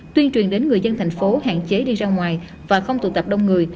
tuyên truyền đến người dân tp hcm hạn chế đi ra ngoài và không tụ tập đông người